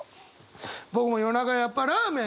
僕も夜中やっぱラーメン。